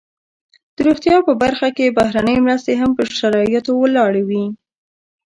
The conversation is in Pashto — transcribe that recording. د روغتیا په برخه کې بهرنۍ مرستې هم پر شرایطو ولاړې وي.